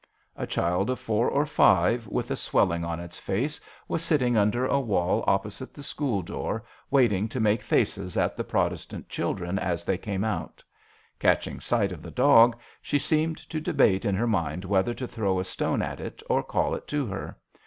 A child of four or five with a 2 8 JOHN SHERMAN. swelling on its face was sitting under a wall opposite the school door, waiting to make faces at the Protestant children as they came out. Catching sight of the dog she seemed to debate in her mind whether to throw a stone at it or call it to her.